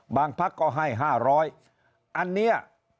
บางพักก็ให้๕๐๐